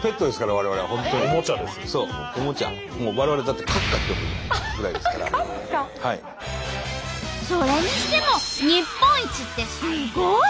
我々はだってそれにしても日本一ってすごい！